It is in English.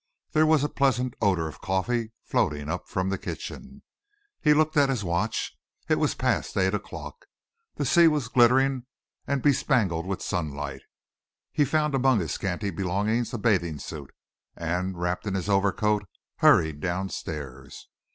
There was a pleasant odour of coffee floating up from the kitchen. He looked at his watch it was past eight o'clock. The sea was glittering and bespangled with sunlight. He found among his scanty belongings a bathing suit, and, wrapped in his overcoat, hurried down stairs.